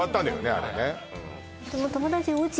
あれね